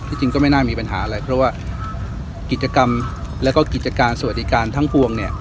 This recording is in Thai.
จริงก็ไม่น่ามีปัญหาอะไรเพราะว่ากิจกรรมแล้วก็กิจการสวัสดิการทั้งปวงเนี่ย